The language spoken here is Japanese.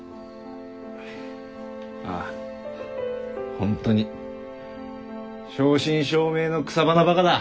本当に正真正銘の草花バカだ！